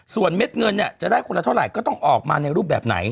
ส่วนเม็ดเงินเนี่ยจะได้คนละเท่าไหร่ก็ต้องออกมาในรูปแบบไหน